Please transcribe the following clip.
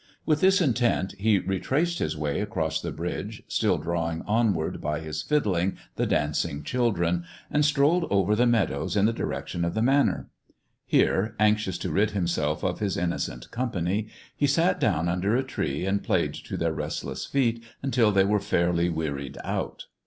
With this intent he retraced his way across the bridge, still drawing onward by his fiddling the dancing children, and strolled over the meadows in the direction of the Manor. Here, anxious to rid himself of his innocent company, he sat down under a tree, and played to their restless feet until they were fairly wearied out.